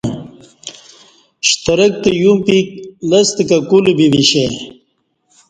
شترک تہ یوں پیک لستہ کہ کولہ بی ویشے